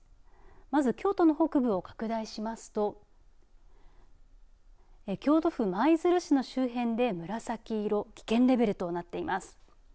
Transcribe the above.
まず京都の北部を拡大しますと京都府舞鶴市の周辺で紫色危険レベルとなっています。